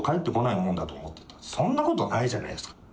そんな事ないじゃないですか。